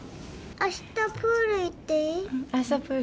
あしたプール行っていい？